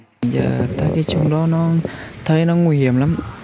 bây giờ tại cái chung đó nó thấy nó nguy hiểm lắm